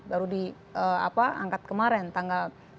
baru diangkat kemarin tanggal tiga mei